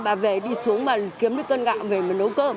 bà về đi xuống mà kiếm được cân gạo về mình nấu cơm